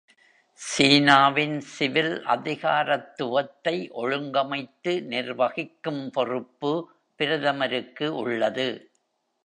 சீனாவின் சிவில் அதிகாரத்துவத்தை ஒழுங்கமைத்து நிர்வகிக்கும் பொறுப்பு பிரதமருக்கு உள்ளது.